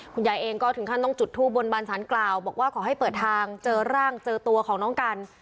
คุณยายเองก็ถึงขั้นต้องจุดทูบบนบานสารกล่าวบอกว่าขอให้เปิดทางเจอร่างเจอตัวของน้องกัน